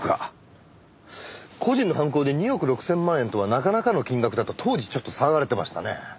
個人の犯行で２億６千万円とはなかなかの金額だと当時ちょっと騒がれてましたね。